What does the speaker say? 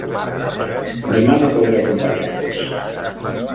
Demà no podré acompanyar-vos.